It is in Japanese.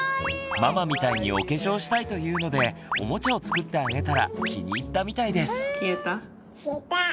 ママみたいにお化粧したいと言うのでおもちゃを作ってあげたら気に入ったみたいです。